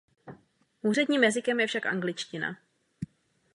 Úředním jazykem je však angličtina.